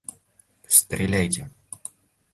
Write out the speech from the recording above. Стреляйте!